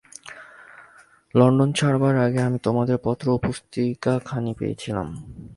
London ছাড়বার আগেই আমি তোমার পত্র ও পুস্তিকাখানি পেয়েছিলাম।